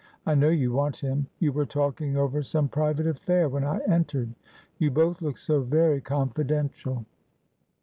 I know you want him; you were talking over some private affair when I entered; you both looked so very confidential."